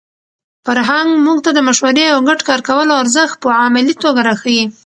فرهنګ موږ ته د مشورې او ګډ کار کولو ارزښت په عملي توګه راښيي.